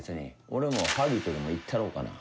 俺もハリウッドでも行ったろうかな。